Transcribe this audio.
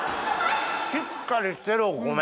しっかりしてるお米。